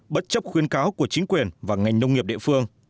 bất chấp khuyến cáo của chính quyền và ngành nông nghiệp địa phương